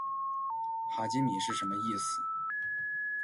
哈基米是什么意思？